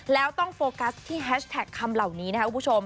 แล้วต้องโฟกัสที่แฮชแท็กคำเหล่านี้นะครับคุณผู้ชม